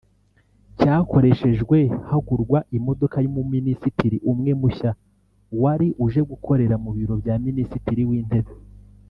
cyakoreshejwe hagurwa imodoka y’umuminisitiri umwe mushya wari uje gukorera mu biro bya Minisitiri w’Intebe